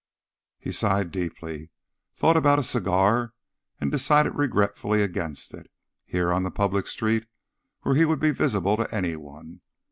He sighed deeply, thought about a cigar and decided regretfully against it, here on the public street where he would be visible to anyone.